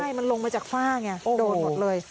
ใช่มันลงมาจากฝ้าไงโดนหมดเลย